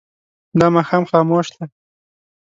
دا ماښام خاموش دی.